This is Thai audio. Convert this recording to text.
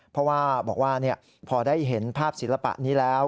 เพราะว่าบอกว่าพอได้เห็นภาพศิลปะนี้แล้ว